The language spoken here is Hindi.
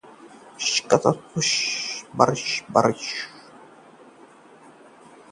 लगता है बारिश होनेवाली है।